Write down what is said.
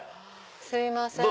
すいません。